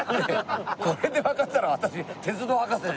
これでわかったら私鉄道博士ですから。